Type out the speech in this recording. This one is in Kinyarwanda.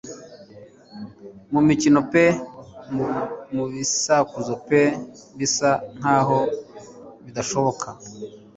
Mu mikino pe mu bisakuzo pe bisa nkaho bidashoboka;